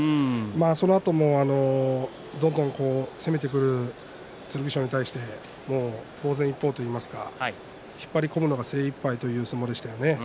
そのあともどんどん攻めてくる剣翔に対して防戦一方といいますか引っ張り込むのが精いっぱいという相撲でした。